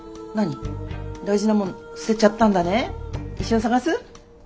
一緒に捜す？